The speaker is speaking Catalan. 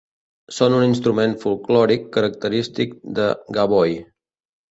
Són un instrument folklòric característic de Gavoi.